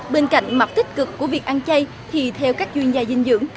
bên cạnh mặt tích cực của việc ăn chay thì theo các chuyên gia dinh dưỡng